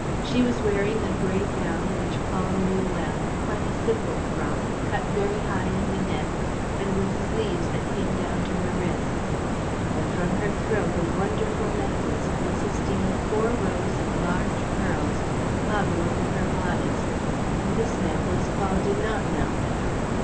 She was wearing a gray gown which Paul knew well, quite a simple frock, cut very high in the neck and with sleeves that came down to her wrists. But from her throat a wonderful necklace, consisting of four rows of large pearls, hung over her bodice; and this necklace Paul did not know.